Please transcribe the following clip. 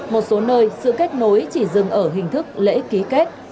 một số nơi sự kết nối chỉ dừng ở hình thức lễ ký kết